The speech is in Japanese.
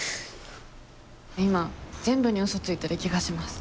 今全部に嘘ついてる気がします。